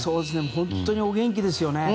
本当にお元気ですよね。